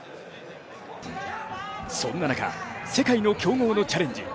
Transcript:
そんな中、世界の強豪のチャレンジ